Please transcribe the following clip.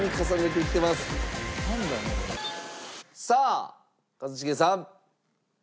さあ一茂さん。